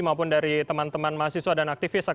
maupun dari teman teman mahasiswa dan aktivis